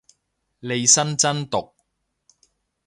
利申真毒